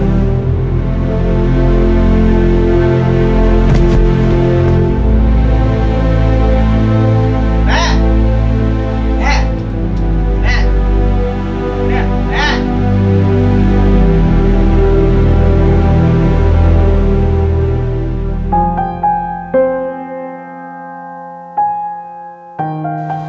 แม่แม่แม่แม่